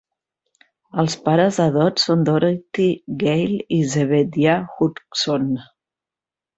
Els pares de Dot són Dorothy Gale i Zebediah Hugson.